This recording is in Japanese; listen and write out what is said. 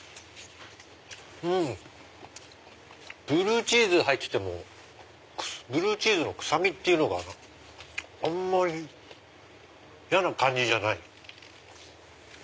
ブルーチーズ入っててもブルーチーズの臭みっていうのがあんまり嫌な感じじゃない。